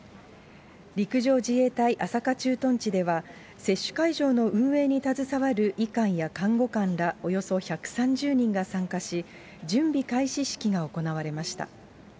陸上自衛隊朝霞駐屯地では、接種会場の運営に携わる医官や看護官らおよそ１３０人が参加し、準備開始式が行われました。